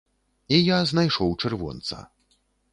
І я знайшоў чырвонца.